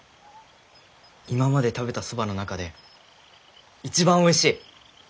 今まで食べたそばの中で一番おいしい！